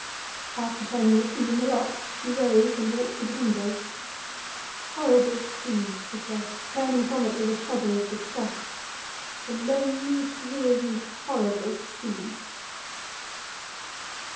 After turning the key in the locks, she rose and walked to the window. "The horrible sea!" she said, turning from it with a shudder of disgust—"the lonely, dreary, horrible sea!"